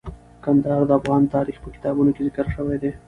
کندهار د افغان تاریخ په کتابونو کې ذکر شوی دی.